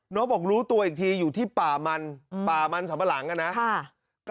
น้องบอกรู้ตัวอีกทีอยู่ที่ป่ามันป่ามันสำหรับหลังกันนะค่ะ